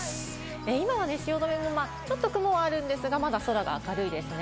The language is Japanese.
今は汐留もちょっと雲はあるんですけれども、まだ空は明るいですね。